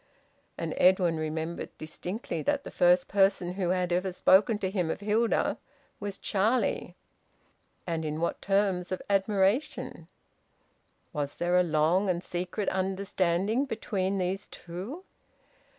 And Edwin remembered distinctly that the first person who had ever spoken to him of Hilda was Charlie! And in what terms of admiration! Was there a long and secret understanding between these two?